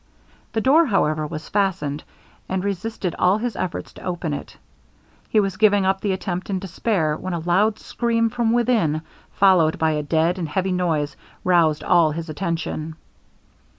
The door, however, was fastened, and resisted all his efforts to open it. He was giving up the attempt in despair, when a loud scream from within, followed by a dead and heavy noise, roused all his attention.